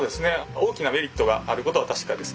大きなメリットがあることは確かです。